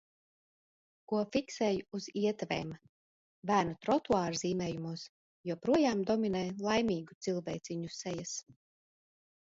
Ko fiksēju uz ietvēm. Bērnu trotuārzīmējumos joprojām dominē laimīgu cilvēciņu sejas.